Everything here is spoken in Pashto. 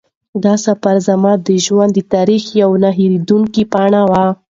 دا سفر زما د ژوند د تاریخ یوه نه هېرېدونکې پاڼه وه.